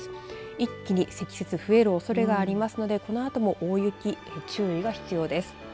一気に積雪増えるおそれがりますのでこのあとも大雪注意が必要です。